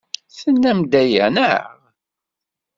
Tennam-d aya, naɣ?